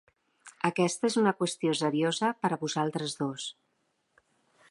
Aquesta és una qüestió seriosa per a vosaltres dos.